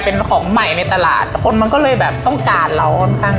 เป็นของใหม่ในตลาดแต่คนมันก็เลยแบบต้องการเราค่อนข้าง